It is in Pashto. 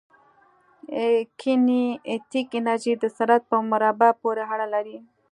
کینیتیک انرژي د سرعت په مربع پورې اړه لري.